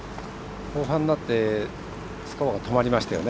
後半になってスコアが止まりましたよね。